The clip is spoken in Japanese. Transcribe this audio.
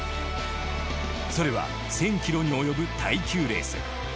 それは１，０００ｋｍに及ぶ耐久レース。